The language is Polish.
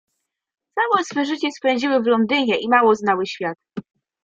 "Całe swe życie spędziły w Londynie i mało znały świat."